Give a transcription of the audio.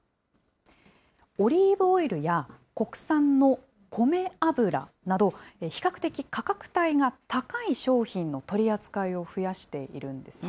オリーブオイルや国産の米油など、比較的価格帯が高い商品の取り扱いを増やしているんですね。